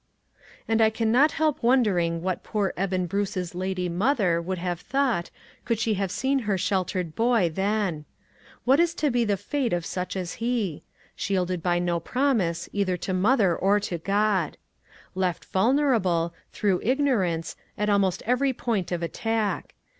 And I can not help wondering what poor Eben Bruce's lady mother would have 148 ONE COMMONPLACE DAY. thought, could she have seen her sheltered boy then ! What is to be the fate of such as he ? Shielded by no promise, either to mother or to God. Left vulnerable, through ignorance, at almost every point of attack.